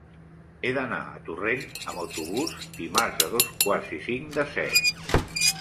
He d'anar a Torrent amb autobús dimarts a dos quarts i cinc de set.